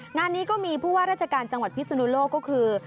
งานนี้ก็มีผู้ว่าราชการจังหวัดพิศนุโลกก็คือ